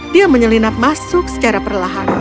dia menyelinap masuk secara perlahan